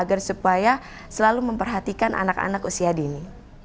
untuk memperhatikan anak anak usia dini